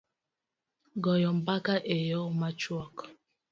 goyo mbaka e yo machuok